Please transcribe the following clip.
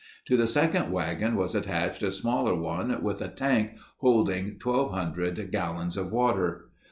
To the second wagon was attached a smaller one with a tank holding 1200 gallons of water.